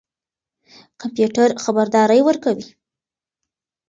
کمپيوټر خبردارى ورکوي.